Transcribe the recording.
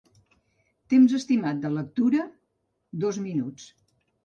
Temps estimat de lectura: dos minuts.